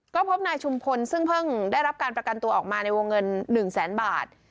ก็พบนายชุมพลซึ่งเพิ่งได้รับการประกันตัวออกมาในวงเงิน๑แสนบาท